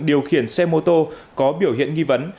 điều khiển xe mô tô có biểu hiện nghi vấn